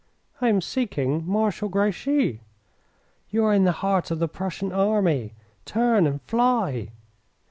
"I am seeking Marshal Grouchy." "You are in the heart of the Prussian army. Turn and fly!"